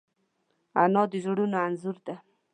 انا د زړونو انځور ده